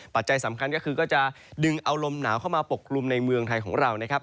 ปัจจัยสำคัญก็คือก็จะดึงเอาลมหนาวเข้ามาปกกลุ่มในเมืองไทยของเรานะครับ